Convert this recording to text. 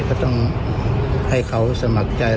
ก็ต้องให้เขาสมัครใจ